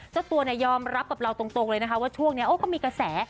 เจ้าตัวยอมรับกับเราตรงเลยนะคะว่าช่วงนี้ก็มีกระแส